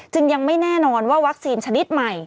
ยังไม่แน่นอนว่าวัคซีนชนิดใหม่